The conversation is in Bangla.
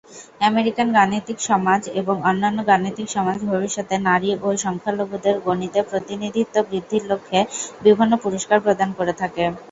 আমেরিকান গাণিতিক সমাজ এবং অন্যান্য গাণিতিক সমাজ ভবিষ্যতে নারী ও সংখ্যালঘুদের গণিতে প্রতিনিধিত্ব বৃদ্ধির লক্ষ্যে বিভিন্ন পুরস্কার প্রদান করে থাকে।